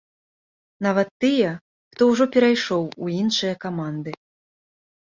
Нават тыя, хто ўжо перайшоў у іншыя каманды.